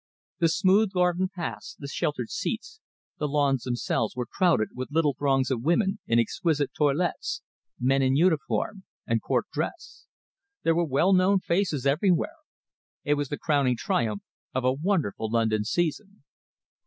The smooth garden paths, the sheltered seats, the lawns themselves, were crowded with little throngs of women in exquisite toilettes, men in uniform and Court dress. There were well known faces everywhere. It was the crowning triumph of a wonderful London season.